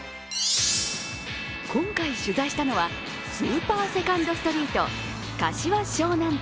今回取材したのは、スーパーセカンドストリート柏昭南店。